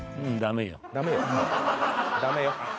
「ダメよ」